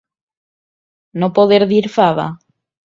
No poder dir fava.